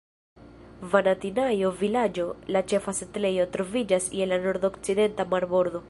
Vanatinajo-Vilaĝo, la ĉefa setlejo, troviĝas je la nordokcidenta marbordo.